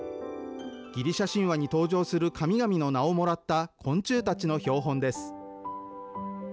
ギリシャ神話に登場する神々の名をもらった昆虫たちの標本です。